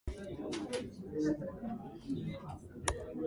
He was a brother of Horace Alexander and Christopher James Alexander.